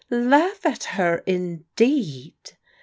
" Laugh at her, indeed